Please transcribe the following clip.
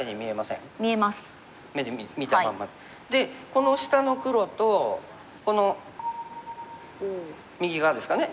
この下の黒とこの右側ですかね。